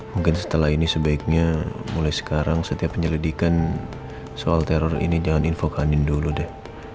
mungkin setelah ini sebaiknya mulai sekarang setiap penyelidikan soal teror ini jangan infokanin dulu deh